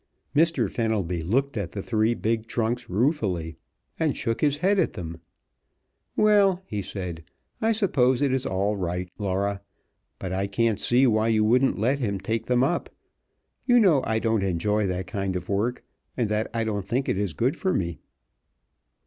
Mr. Fenelby looked at the three big trunks ruefully, and shook his head at them. "Well," he said, "I suppose it is all right, Laura, but I can't see why you wouldn't let him take them up. You know I don't enjoy that kind of work, and that I don't think it is good for me."